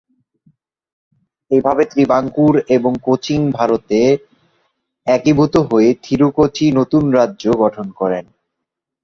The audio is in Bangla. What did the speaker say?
এভাবে ত্রিবাঙ্কুর এবং কোচিন ভারতে একীভূত হয়ে থিরু-কোচি নতুন রাজ্য গঠন করেন।